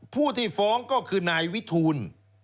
ผู้ที่ฟ้องก็คือนายวิทูล